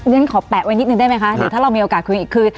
อย่างนั้นขอแปะไว้นิดนึงได้ไหมคะถ้าเรามีโอกาสคุยอีกคือ